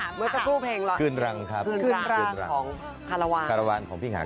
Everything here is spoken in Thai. ถามค่ะเมื่อก็คู่เพลงหรอคืนรังครับของขาระวานขาระวานของพี่หา